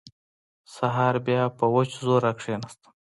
سهار بيا په وچ زور راکښېناستم.